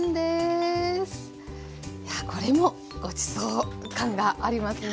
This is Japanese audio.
これもごちそう感がありますね。